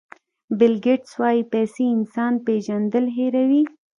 بیل ګېټس وایي پیسې انسان پېژندل هیروي.